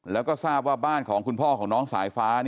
แล้วก็ทราบว่าบ้านของคุณพ่อของน้องสายฟ้า